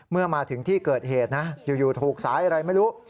เมื่อมาถึงที่เกิดเหตุนะอยู่ถูกสายอะไรไม่รู้